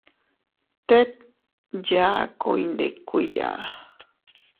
Tet yaku iyndikuiya.